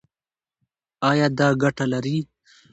ایا دا ګټه لري؟